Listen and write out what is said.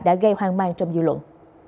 đã gây hoang mang trong dự luận